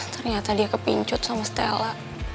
ternyata dia kepincut sama stella